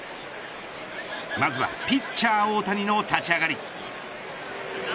まずは、ピッチャー大谷の立ち上がり。